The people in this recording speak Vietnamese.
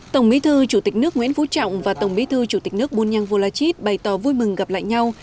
tổng bí thư chủ tịch nước nguyễn phú trọng và tổng bí thư chủ tịch nước bunyang volachit bày tỏ vui mừng gặp lại nhau